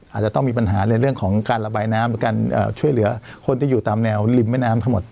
อาจจะต้องมีปัญหาในเรื่องของการระบายน้ำหรือการช่วยเหลือคนที่อยู่ตามแนวริมแม่น้ำทั้งหมด